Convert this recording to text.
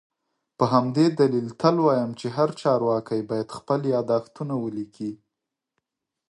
په همدې دلیل تل وایم چي هر چارواکی باید خپل یادښتونه ولیکي